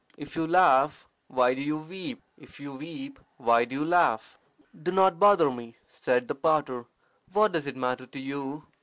If you laugh, why do you weep? If you weep, why do you laugh?" "Do not bother me," said the potter. "What does it matter to you?"